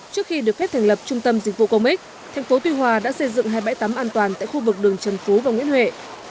trước khi được phép thành lập trung tâm dịch vụ công ích tp tuy hòa đã xây dựng hai trăm bảy mươi tám an toàn tại khu vực đường trần phú và nguyễn huệ